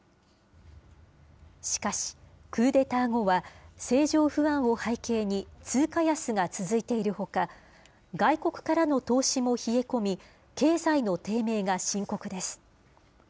しかし、クーデター後は政情不安を背景に、通貨安が続いているほか、外国からの投資も冷え込み、経済の低迷が深刻です。